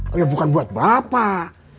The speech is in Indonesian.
oh ya bukan buat bapak